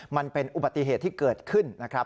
มันเป็นอุบัติเหตุที่เกิดขึ้นนะครับ